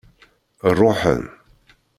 Ṛuḥen.